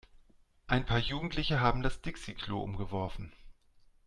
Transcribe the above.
Ein paar Jugendliche haben das Dixi-Klo umgeworfen.